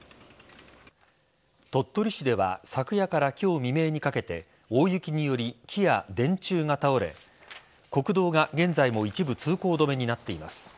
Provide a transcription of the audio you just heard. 鳥取市では昨夜から今日未明にかけて大雪により木や電柱が倒れ国道が現在も一部通行止めになっています。